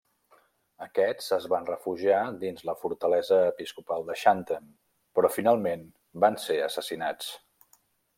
Aquests es van refugiar dins la fortalesa episcopal de Xanten, però finalment van ser assassinats.